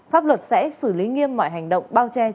pháp luật sẽ xử lý nghiêm mọi hành động